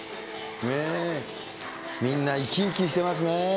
みんな生き生きしてますね。